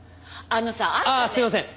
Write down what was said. ああすいません！